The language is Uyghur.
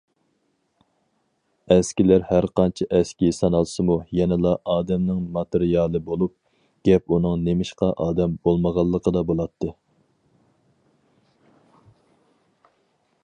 ئەسكىلەر ھەرقانچە ئەسكى سانالسىمۇ يەنىلا ئادەمنىڭ ماتېرىيالى بولۇپ، گەپ ئۇنىڭ نېمىشقا ئادەم بولمىغانلىقىدا بولاتتى.